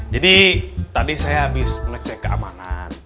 tadi saya habis ngecek keamanan